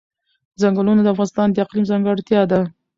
ځنګلونه د افغانستان د اقلیم ځانګړتیا ده.